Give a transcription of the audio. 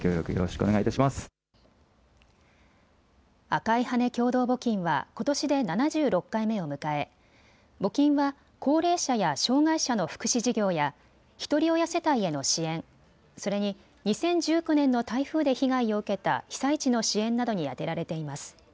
赤い羽根共同募金はことしで７６回目を迎え、募金は高齢者や障害者の福祉事業やひとり親世帯への支援、それに２０１９年の台風で被害を受けた被災地の支援などに充てられています。